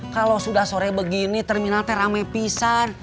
kalau sudah sore begini terminal teh rame pisar